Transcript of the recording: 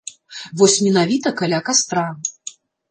Вось менавіта каля кастра.